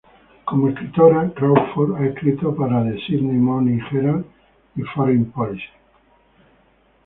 Como escritora Crawford ha escrito para "The Sydney Morning Herald" y Foreign Policy.